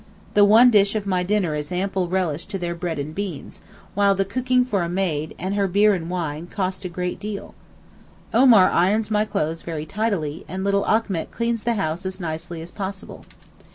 The one dish of my dinner is ample relish to their bread and beans, while the cooking for a maid, and her beer and wine, cost a great deal. Omar irons my clothes very tidily, and little Achmet cleans the house as nicely as possible.